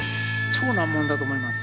超難問だと思います。